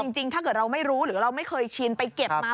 จริงถ้าเกิดเราไม่รู้หรือเราไม่เคยชินไปเก็บมา